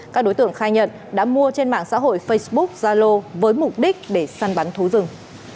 các đối tượng khai nhận đã mua trên mạng xã hội facebook zalo với mục đích để săn bắn thú rừng